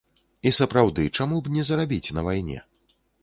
І сапраўды, чаму б не зарабіць на вайне?